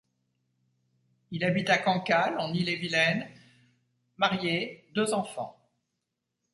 Il habite à Cancale en Ille-et-Vilaine, marié, deux enfants.